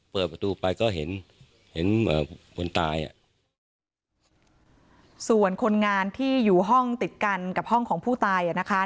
เปิดประตูไปก็เห็นเห็นคนตายอ่ะส่วนคนงานที่อยู่ห้องติดกันกับห้องของผู้ตายอ่ะนะคะ